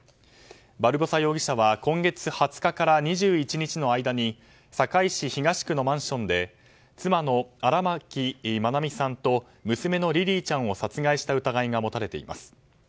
バルボサ容疑者は今月２０日から２１日の間に堺市東区のマンションで、妻の荒牧愛美さんと娘のリリィちゃんを殺害した疑いが持たれています。